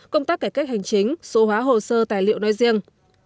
công tác cải cách hành chính số hóa hồ sơ tài liệu nói riêng